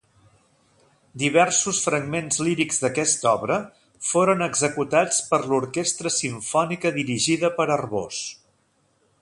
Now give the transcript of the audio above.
Diversos fragments lírics d'aquesta obra foren executats per l'Orquestra Simfònica dirigida per Arbós.